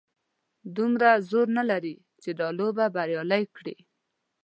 دومره زور نه لري چې دا لوبه بریالۍ کړي.